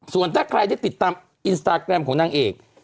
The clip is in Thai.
ส่วนถ้าใครได้ติดตามอินสตาแกรมของนางเอก